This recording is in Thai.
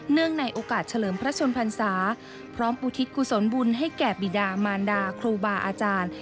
ในโอกาสเฉลิมพระชนพรรษาพร้อมอุทิศกุศลบุญให้แก่บิดามารดาครูบาอาจารย์